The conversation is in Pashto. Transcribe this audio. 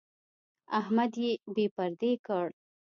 احمد يې بې پردې کړ.